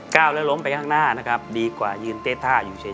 ก้าวแล้วล้มไปข้างหน้านะครับดีกว่ายืนเต๊ท่าอยู่เฉย